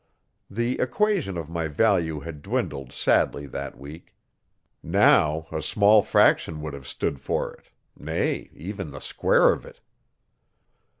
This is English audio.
The equation of my value had dwindled sadly that week. Now a small fraction would have stood for it nay, even the square of it.